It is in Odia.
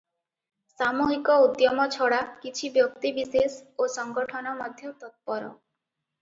ସାମୁହିକ ଉଦ୍ୟମ ଛଡ଼ା କିଛି ବ୍ୟକ୍ତିବିଶେଷ ଓ ସଙ୍ଗଠନ ମଧ୍ୟ ତତ୍ପର ।